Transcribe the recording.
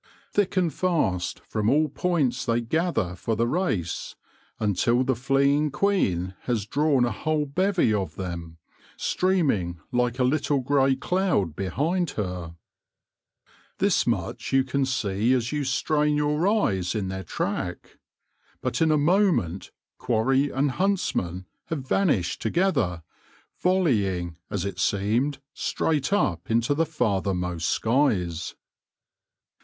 Thick and fast from all points they gather for the race, until the fleeing queen has drawn a whole bevy of them, stream ing like a little grey cloud behind her. This much 82 THE LORE OF THE HONEY BEE you can see as you strain your eyes in their track ; but in a moment quarry and huntsmen have van ished together, volleying, as it seemed, straight up into the farthermost skies.